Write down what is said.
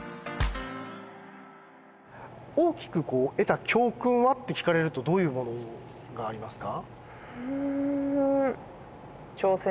「大きく得た教訓は？」って聞かれるとどういうものがありますか？